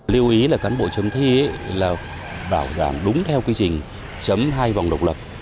lưu ý là cán bộ chấm thi là bảo giảng đúng theo quy trình chấm hai vòng độc lập